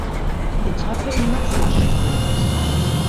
Etappe im Massensprint.